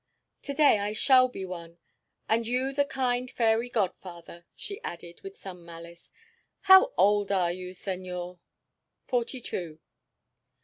"To day I shall be one; and you the kind fairy god father," she added, with some malice. "How old are you, senor?" "Forty two."